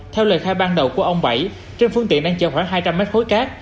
theo lời khai ban đầu của ông bảy trên phương tiện đang chờ khoảng hai trăm linh mét khối cát